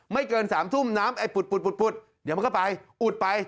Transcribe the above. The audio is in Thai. เกิน๓ทุ่มน้ำไอ้ปุดเดี๋ยวมันก็ไปอุดไป